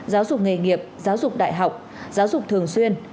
giáo dục nghề nghiệp giáo dục đại học giáo dục thường xuyên